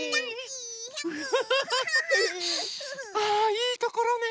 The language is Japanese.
あいいところね